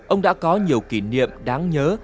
ông đã có nhiều kỷ niệm đáng nhớ